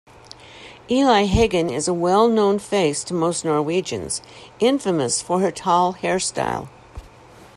Eli Hagen is a well-known face to most Norwegians, infamous for her tall hairstyle.